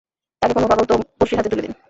তাকে কোন পাগল তপস্বীর হাতে তুলে দিন?